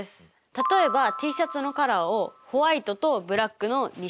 例えばＴシャツのカラーをホワイトとブラックの２種類。